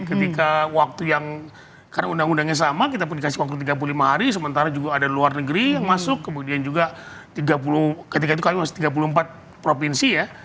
ketika waktu yang karena undang undangnya sama kita pun dikasih waktu tiga puluh lima hari sementara juga ada luar negeri yang masuk kemudian juga ketika itu kami masih tiga puluh empat provinsi ya